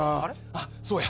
あっそうや。